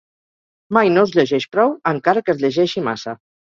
Mai no es llegeix prou encara que es llegeixi massa.